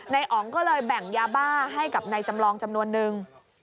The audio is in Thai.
อ๋องก็เลยแบ่งยาบ้าให้กับนายจำลองจำนวนนึง